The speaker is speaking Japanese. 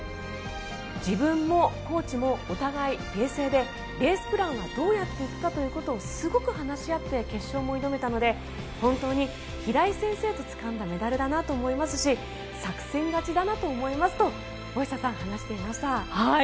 自分もコーチもお互い冷静でレースプランはどうやって行くかということをすごく話し合って決勝も挑めたので本当に平井先生とつかんだメダルだなと思いますし作戦勝ちだなと思いますと話していました。